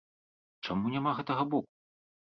Чаму няма гэтага боку?